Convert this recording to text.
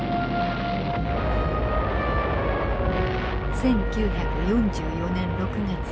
１９４４年６月。